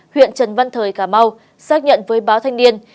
huyện trần văn thời cà mau xác nhận với báo thanh niên